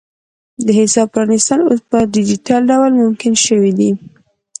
د حساب پرانیستل اوس په ډیجیټل ډول ممکن شوي دي.